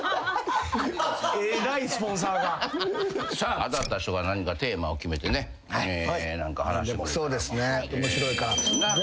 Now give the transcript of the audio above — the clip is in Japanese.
当たった人が何かテーマを決めてね何か話してくれたら。